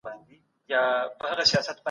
د جرګې ویب پاڼه څه معلومات لري؟